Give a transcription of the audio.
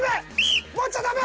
持っちゃダメ！